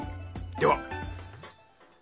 では。